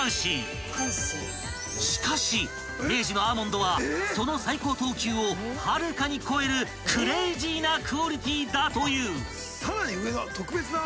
［しかし明治のアーモンドはその最高等級をはるかに超えるクレイジーなクオリティーだという］